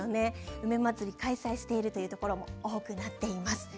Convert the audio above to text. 梅まつりを開催しているところも多くなっています。